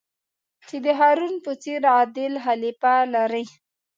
چې د هارون په څېر عادل خلیفه لرئ.